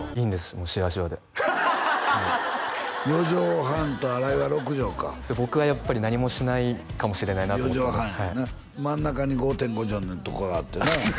もうシワシワで４畳半と新井が６畳かそう僕はやっぱり何もしないかもしれないなと思って４畳半やな真ん中に５．５畳のとこがあってなあっ